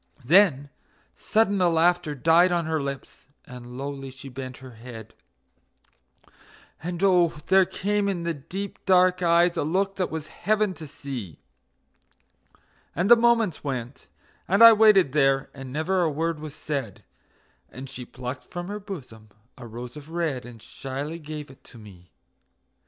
Then sudden the laughter died on her lips, and lowly she bent her head; And oh, there came in the deep, dark eyes a look that was heaven to see; And the moments went, and I waited there, and never a word was said, And she plucked from her bosom a rose of red and shyly gave it to me.